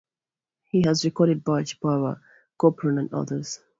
He has recorded Bach, Biber, Couperin, and others.